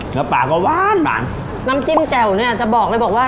เนื้อปลาก็ว้านบางน้ำจิ้มแจ๋วเนี่ยจะบอกเลยบอกว่า